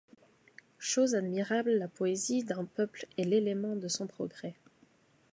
Chose admirable, la poésie d'un peuple est l'élément de son progrès.